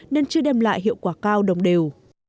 nên chưa đem lại hiệu quả cao đồng đều